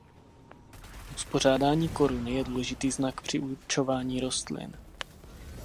Uspořádání koruny je důležitý znak při určování rostlin.